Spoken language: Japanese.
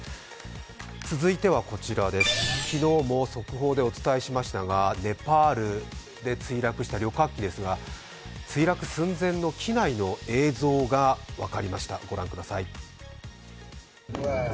続いては、昨日も速報でお伝えしましたが、ネパールで墜落した旅客機ですが墜落寸前の機内の映像が分かりました、ご覧ください。